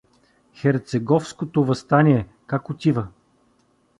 Херцеговското въстание как отива?